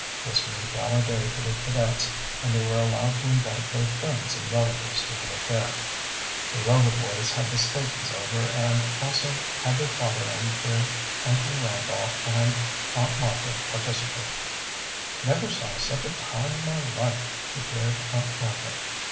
This was a gala day for the cadets and they were allowed to invite both friends and relatives to the affair. The Rover boys had the Statons over and also had their father and their Uncle Randolph and Aunt Martha participate. "Never saw such a time in my life!" declared Aunt Martha.